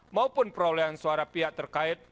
maupun perolehan suara pihak terkait